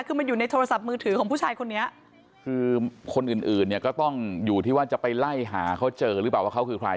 คือมันอยู่ในโทรศัพท์มือถือของผู้ชายคนนี้คือคนอื่นอื่นเนี่ยก็ต้องอยู่ที่ว่าจะไปไล่หาเขาเจอหรือเปล่าว่าเขาคือใคร